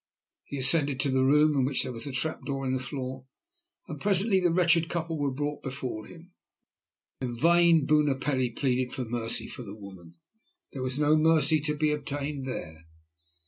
He ascended to the room in which there was the trap door in the floor, and presently the wretched couple were brought before him. In vain Bunopelli pleaded for mercy for the woman. There was no mercy to be obtained there.